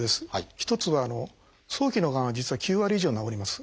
一つは早期のがんは実は９割以上治ります。